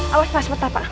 awas pak sebentar pak